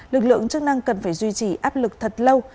lực lượng chức năng cần phải duy trì áp lực thật lâu